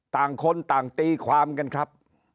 ต่างคนต่างตีความกันครับ